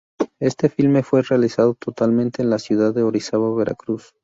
Este filme fue realizado totalmente en la ciudad de Orizaba, Veracruz.